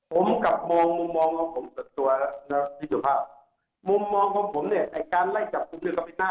ผมกับมุมมองของผมตัวนะพี่ถุพัก